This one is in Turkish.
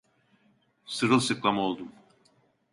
Sırılsıklam oldum.